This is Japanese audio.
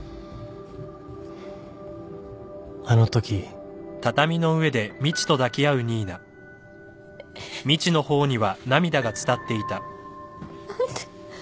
あのとき何で。